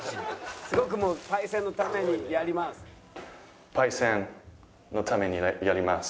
「すごくパイセンのためにやります」。